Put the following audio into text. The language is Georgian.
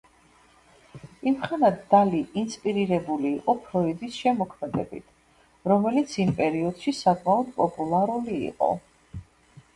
იმხნად დალი ინსპირირებული იყო ფროიდის შემოქმედებით, რომელიც იმ პერიოდში საკმაოდ პოპულარული იყო.